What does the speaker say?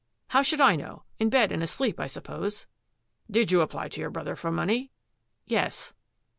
"How should I know? In bed and asleep, I suppose." " Did you apply to your brother for money? "" Yes."